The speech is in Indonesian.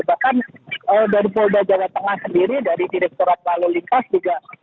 bahkan dari polda jawa tengah sendiri dari direkturat lalu lintas juga